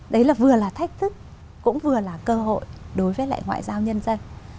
đấy là vừa là thách thức cũng vừa là cơ hội đối với lại ngoại giao nhân dân